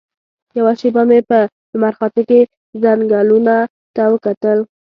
یوه شېبه مې په لمرخاته کې ځنګلونو ته وکتل.